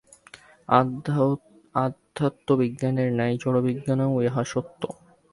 অধ্যাত্মবিজ্ঞানের ন্যায় জড়বিজ্ঞানেও ইহা সত্য।